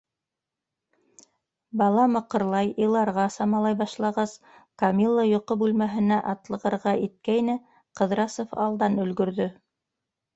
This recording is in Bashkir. Бала мыҡырлай, иларға самалай башлағас, Камилла йоҡо бүлмәһенә атлығырға иткәйне, Ҡыҙрасов алдан өлгөрҙө: